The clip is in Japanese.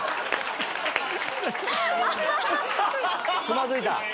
つまずいた⁉